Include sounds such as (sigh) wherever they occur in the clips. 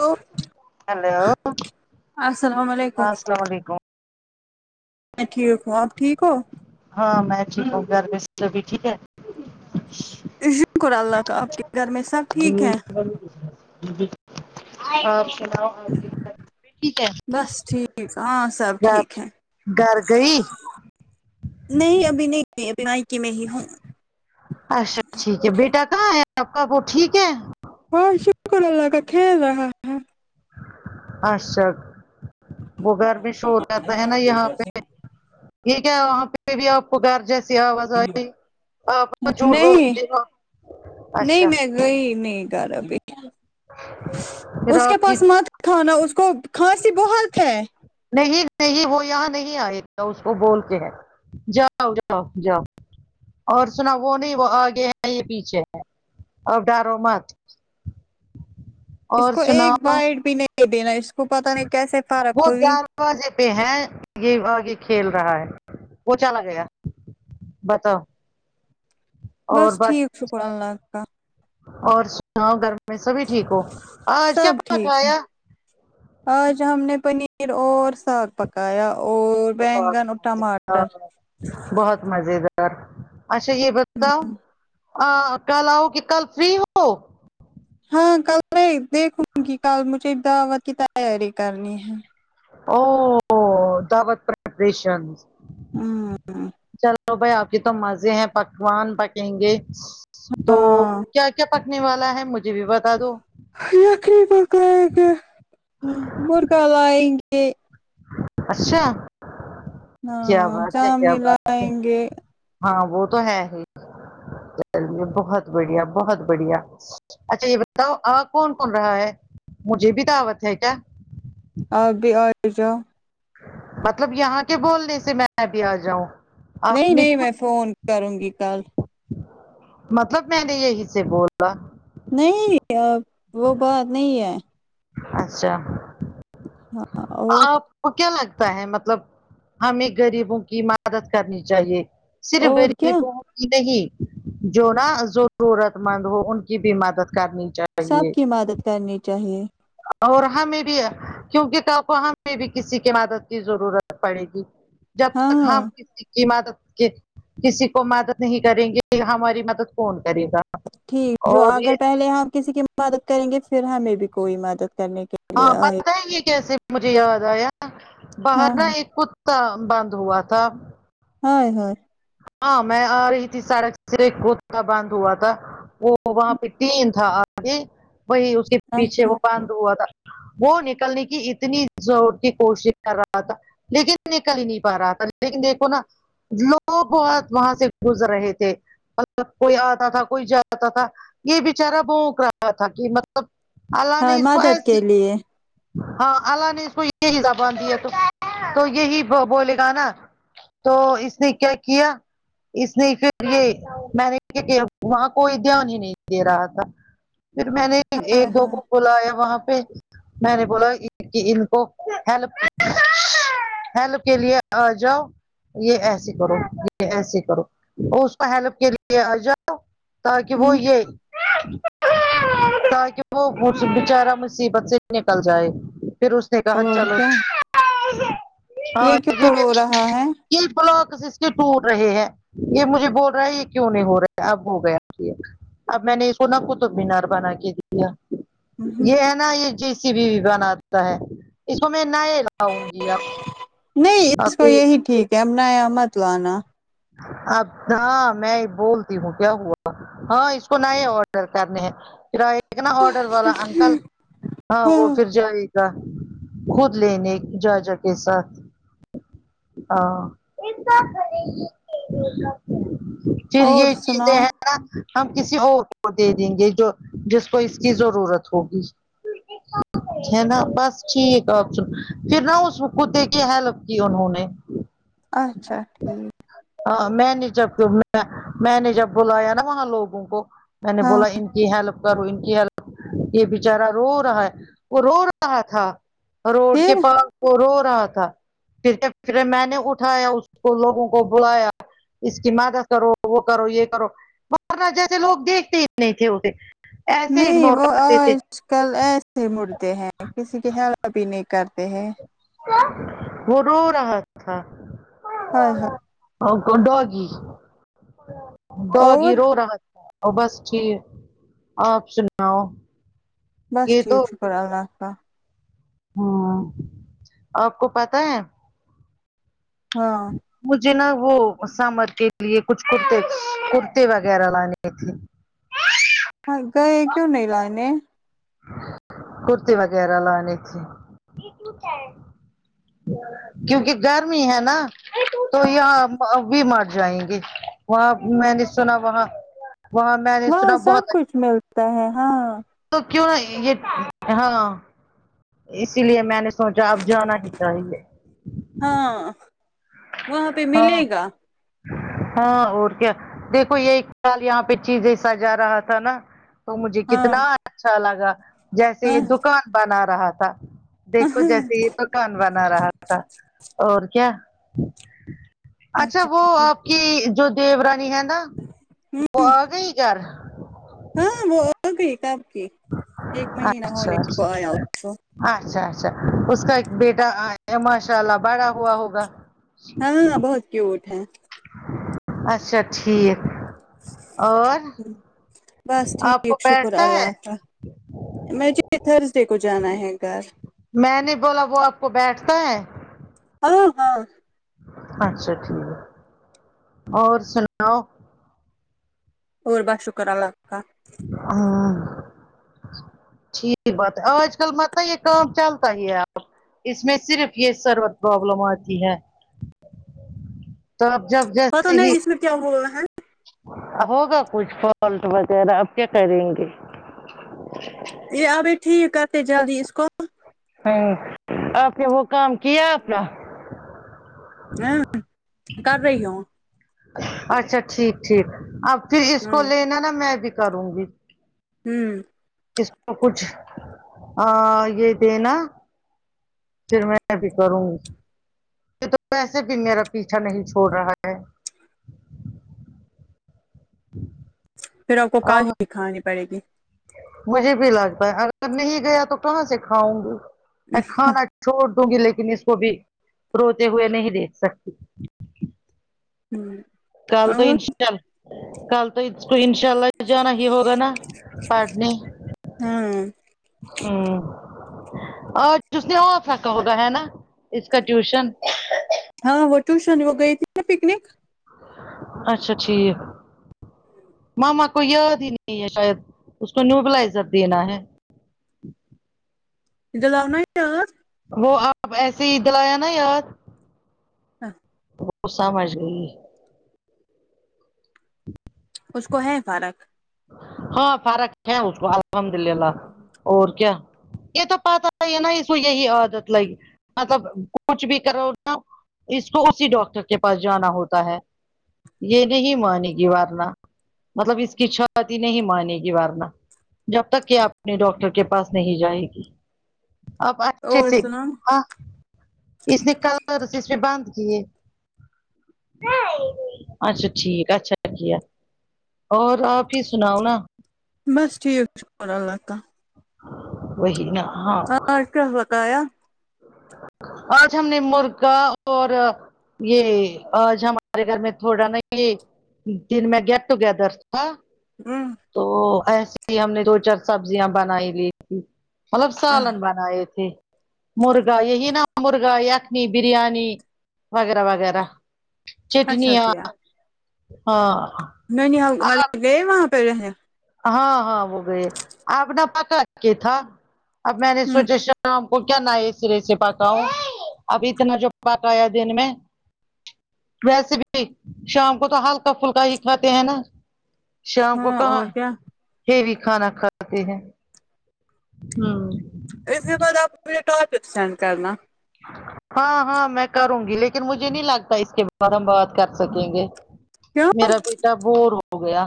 hello السلام علیکم وعلیکم اسلام میں ٹھیک ہوں آپ ٹھیک ہو ہاں میں ٹھیک ہوں گھر میں سب بھی ٹھیک ہے شکر اللہ کا آپ کے گھر میں سب ٹھیک ہے (unintelligible) آپ سناؤ آپ سب بھی ٹیک ہے بس ٹھیک ہاں سب گ ٹھیک ہے گھر گئی نہیں ابھی نہیں گئی مائکی میں ہی ہوں اچھا ٹھیک ہے بیٹا کہاں ہے آپ کا وہ ٹھیک ہے ہاں شکر اللہ کا کھیل رہا ہے اچھا وہ گھر میں شور ہو رہتا ہے نا یہاں پہ ٹھیک ہے وہاں پہ بھی آپکو گھر جیسے سے اواز ارہی ہے اپ کتنا جوٹ نہیں بولتے اچھا وہی نہیں کرار ابھی پھر اس کے آپ کی پاس مت کھاؤ نا اس کو کھانسی بہت ہے نہیں نہیں وہ یہاں نہیں آئے اس کو بول کے ہے جاؤ جاؤ جاؤ اور سنو وہ نہیں وہ آگے ہے یہ پیچھے ہے اور ڈارو مت اس اور کو ایک سناؤ بائڈ بھی نہیں دینا اس کو پتہ نہیں کیسے فرق وہ ہوگی دروازے پہ ہے یہ بھاگے کھیل رہا ہے وہ چالا گایا بتاؤ بس اور ب ٹھیک شکر اللہ کا اور سناؤ گھر میں سب ٹھیک ہو آج کیا سب ٹھیک ہے پکایا آج ہم نے پنیر اور ساگ پکایا اور بہت بینگن اور ٹماٹر مزیدار بہت مزے دار اچھا یہ بتاؤ آ کل آؤ کہ کل فری ہو ہاں کل میں دیکھوں گی کل مجھے دعوت کی تیاری کرنی ہے او دعوت پرپریشن ہمم تو بھائی آپ کے تو مزے ہیں پکوان پکیں گے تو ہاں کیا کیا پکنے والا ہے مجھے بھی بتا دو یخنی پکاے گے مرغا لائیں گے اچھا کیا ہاں بات ہے کیا چامنی بات ہے لائیں گے ہاں وہ تو ہے ہی بہت بڑھیا بہت بڑھیا اچھا یہ بتاؤ آ کون کون رہا ہے مجھے بھی دعوت ہے کیا آپ بھی آ ہی جاؤ مطلب یہاں کے بولنے سے میں بھی آ جاؤں آپ نہیں نے نہیں کیوں میں فون کروں گی کل مطلب میں نے یہی سے بولا نہیں ا وہ بات نہیں ہے اچھا ہاں اور آپ کو کیا لگتا ہے مطلب ہمیں غریبوں کی مدد کرنی چاہیے صرف اور دیری کیا تو ہے نہیں جو نا ضرورت مند ہو ان کی بھی مدد کرنی چاہیے سب کی مدد کرنی چاہیے اور ہمیں بھی کیونکہ کا کو ہمیں بھی کسی کی مدد کی ضرورت پڑے گی جب تک ہم ہاں اس کی مدد کسی کو مدد نہیں کریں گے ہماری مدد کون کرے گا ٹھیک جو اور یہ اگر پہلے ہم کسی کی مدد کریں گے پھر ہمیں بھی کوئی مدد کرنے کے لیے ہاں آئے بتائیں گے کیسے مجھے یاد آیا باہر ہاں نہ ہاں ایک کت کام بند ہوا تھا ہاے ہاے ہاں میں آ رہی تھی سڑک سے راستہ باندھ ہوا تھا وہ وہاں پہ تین تھا آدھی وہی اس کے پیچھے اچھا وہ بندھ ہوا تھا وہ نکلنے کی اتنی زور کی کوشش کر رہا تھا لیکن نکل ہی نہیں پا رہا تھا لیکن دیکھو نا لوگ وہ بہت وہاں سے گزر رہے تھے مطلب کوئی آتا تھا کوئی جاتا تھا یہ بچارہ بونک رہا تھا کہ مط اللہ ہاں نے اس کو مدد ایسی کے لیے ہاں اللہ نے اس کو یہی زبان دی ہے تو تو یہی بولے گا نا تو اس نے کیا کیا اس نے پھر یہ میں نے وہاں کوئی دھیان ہی نہیں دے رہا تھا پھر میں نے ایک ہائے دو ہائے کو بلایا وہاں پہ میں نے بولا کی ان کو ہیلپ ہیلپ کے لیے آ جاؤ یہ ایسے کرو یہ ایسے کرو اور اس کو ہیلپ کے لیے اا تاکہ وہ ہوں یہ تاکہ وہ بچارہ مصیبت سے نکل جائے پھر اس نے کہا اور چلو کیا ہاں یہ کیوں رو رہا ہے (unintelligible) بلاک سسٹی ٹوٹ رہے ہیں یہ مجھے بول رہا ہے یہ کیوں نہیں ہو رہا ہے اب ہو گیا کہ اب میں نے اس کو نہ قطب مینار بنا کے دیا ہوں، یہ ہے نا یہ جس کسی بھی بھی بناتا ہے اس کو میں نئے لاؤں گی آپ نہیں اس کو یہی ٹھیک ہےنایا مت لانا اب ہاں میں بولتی ہوں کیا ہوا ہاں اس کو نہ آڈر کرنے ہیں پھر اتنا آڈر والا انکل ہاں وہ پھر جائے خود لینے ججا کے ساتھ ہاں پھر اور یہ چیزیں سناؤ ہیں ہم کسی اور کو دے دیں گے جو جس کو اس کی ضرورت ہوگی ہے نا بس ٹھیک ہے آپ سن پھر نہ اس کوتے کے ہیلپ کی انہوں نے اچھا ٹھیک ہاں میں نے جب میں نے جب بلایا نا وہاں لوگوں کو میں نے ہاں بولا ان کی ہیلپ کرو ان کی ہیلپ یہ بچارہ رو رہا ہے وہ رو رہا تھا روڈ کے پھر پاس وہ رو رہا تھا پھر پھرے میں نے اٹھایا اس کو لوگوں کو بلایا اس کی مدد کرو وہ کرو یہ کرو ورنہ جیسے لوگ دیکھتے ہی نہیں تھے انھے نہیں وہ آج آج کل ایسے مڑتے ہیں کسی کی ہیلپ بھی نہیں کرتے ہیں وہ رو رہا تھا کون رو ہائے رہا ہائے تھا اور کون ڈاگی اور ڈاگی رو رہا اور بس ٹھیک آپ سناؤ بس یہ ٹھیک شکر اللہ کا ہاں آپ کو پتا ہے ہاں مجھے نا وہ سامر کے لیے کچھ کرتے کرتے وغیرہ لانے تھے ہاں گئے کیوں نہیں لانے کرتے وغیرہ لانے تھے کیونکہ گرمی ہے نا تو یہاں اب بھی مر جائیں گے وہاں میں نے سنا وہاں وہاں میں نے سنا بہت اچھا تا ہے ہاں تو کیوں نہیں یہ ہاں اسی لیے میں نے سوچا اپ جانا ہی چاہیے ہاں وہاں پہ ہاں ملے گا ہاں اور کیا دیکھو یہییال یہاں پہ چیزیں سجا رہا تھا نا تو مجھے ہاں کتنا اچھا لگا جیسے ہاں یہ دکان بنا رہا تھا دیکھو جیسے یہ تو کان بنا رہا تھا اور کیا اچھا وہ ٹھیک ہے آپ کی جو دیو رانی ہے نا وہ ہوں آ گئی گھر ہاں وہ آگئی کب کی ایک مہینہ اچھا ہونے کو آیا اچھا اس کو اچھا اچھا اس کا ایک بیٹا ایا ماشاء اللہ بڑا ہوا ہوگا ہاں بہت کیوٹ ہے اچھا ٹھیک اور بس آپ کو ٹھیک شکر بیٹھتا ہے اللہ کا مجھے تھرسڈے کو جانا ہے گھر میں نے بولا وہ آپ کو بیٹھتا ہے ہاں ہاں اچھا ٹھیک اور سناؤ اور بس شکر الله کا ہاں ٹھیک بات آج کل مت آیے کام چلتا ہی ہے آب اس میں صرف یہ سرورت پرابلم آتی ہے تو اب جب پتا جیسے ہی نہیں اس میں کیا ہوا ہے ہوگا کچھ فالٹ وغیرہ اب کیا کریں گے (unintelligible) ا آبھائی ٹھیک کرتے جلدی اس کو ہوں آپ نے وہ کام کیا اپنا ہوں کر رہی ہوں اچھا ٹھیک ٹھیک اب پھر اس کو ہوں لینا نا میں بھی کروں گی ہوں اس کو کچھ آا یہ دینا پھر میں بھی کروں گی یہ تو ویسے بھی میرا پیچھا نہیں چھوڑ رہا ہے بھیڑوں کو کال اور ہی دکھانی پڑے گی مجھے بھی لگتا ہے اگر نہیں گیا تو کہاں سے کھاؤں گی میں کھانا چھوڑ دوں گی لیکن اس کو بھی روتے ہوئے نہیں دیکھ سکتی ہمم کل تو انشل کل تو اس کو انشاء اللہ جانا ہی ہوگا نا پٹنے ہاں ہمم اج اس نے آف رکھا ہوگا ہے نا اس کا ٹیوشن ہاں وہ ٹوشن وہ گئی تھی ن پکنک اچھا ٹھیک ماما کو یاد ہی نہیں ہے شاید اس کو نیوبلائزر دینا ہے دلونائی اج وہ آپ ایسے ہی دلایا نا یاد ہاں وہ سمجھ گئی اس کو ہے فارق ہاں فرق ہے اس کو الحمدللہ (unintelligible) اور کیا یہ تو پتہ ہے نا اس یہی عادت لگی مطلب کچھ بھی کرو نا اس کو اسی ڈاکٹر کے پاس جانا ہوتا ہے یہ نہیں مانے گی ورنا مطلب اس کی شادی نہیں مانے گی ورنا جب تک کہ آپ اپنے ڈاکٹر کے پاس نہیں جائے گی اب اچھے اور سے سنا ہاں اس نے کل سے اسے بند کیے اچھا ٹھیک اچھا کیا اور اور کی سناؤ نا بس ٹھیک شکر اللہ کا وہی نا ہاں اج کا بقایا آج ہم نے مرغا اور یہ آج ہمارے گھر میں تھوڑا نہیں یہ دن میں گیٹ ٹوگیدر تھا ہمم تو ایسے ہی ہم نے دو چار سبزیاں بنائی لی تھی مطلب سالن بنا آے تھے مرغا یہی نہا مرغا یخنی بریانی وغیرہ وغیرہ چٹنییاں ہاں نہیں نہیں میں نے گئے وہاں پہ رہنے ہاں ہاں وہ گئے اب نہ پکا کے تھا اب میں نے ہوں سوچا ش ام کو کیا نئے سرے سے پکا ہوں اب اتنا جو پکایا دن میں ویسے بھی شام کو تو ہلکا پھلکا ہی کھاتے ہیں نا شام کو ہاں کہاں اور کیا ہیوی کھانا کھاتے ہیں ہمم اس کے بعد اپ ایک ٹاپک سینڈ کرنا ہاں ہاں میں کروں گی لیکن مجھے نہیں لگتا اس کے بار ہم بات کر سکیں گے کیوں میرا بیٹا بور ہو گیا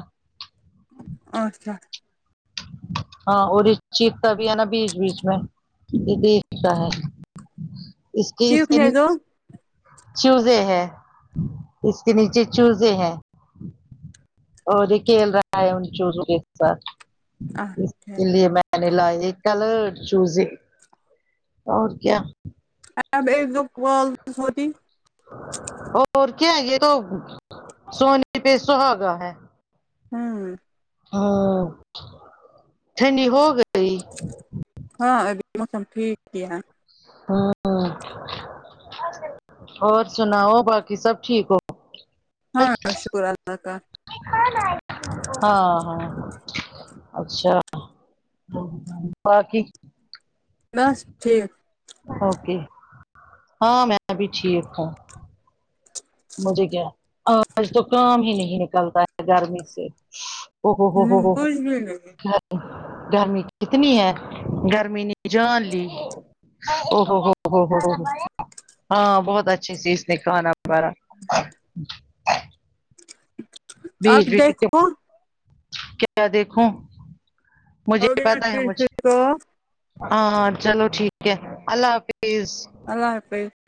اور کیا ہاں اور چتا بھی ہے نا بیچ بیچ میں یہ دیکھتا ہے اس کی سکن چیخنے دو چوزے ہے اس کے نیچے چوزے ہے اور یہ کھیل رہا ہے ان چزوں کے ساتھ اس کے لیے میں ل یہ (unintelligible) کلرڈ چوزے اور کیا اب ایک دو کال ہوتی اور کیا یہ تو سونی پہ سوہاگا ہے ہمم ہاں ٹھنڈی ہو گئی ہاں ا بھی موسم ٹھیک ہی ہے ہمم اور سناؤ باقی سب ٹھیک ہو ہاں شکر اللہ کا ہاں ہاں اچھا باقی میںس ٹھیک اوکے ہاں میں بھی ٹھیک ہوں مجھے کیا آج تو کام ہی نہیں نکلتا ہے گرمی سے ا ہو ہو ہو ہو کچھ بھی نہیں گرمی کتنی ہے گرمی نے جان لی ا ہو ہو ہو ہو ہو ہاں بہت اچھی چیز اس نے کھانا کرا بیچ آپ بی دیکھو (unintelligible) کیا دیکھوں مجھے ہوگی میں پتا ہے پھر مجھ سے تو ہاں ہاں چلو ٹھیک ہے اللہ حافظ اللہ حافظ